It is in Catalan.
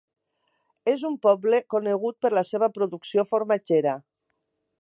És un poble conegut per la seva producció formatgera.